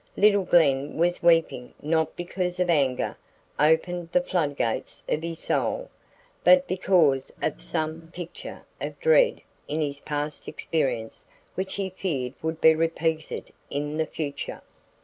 Little Glen was weeping not because anger "opened the floodgates of his soul," but because of some picture of dread in his past experience which he feared would be repeated in the future.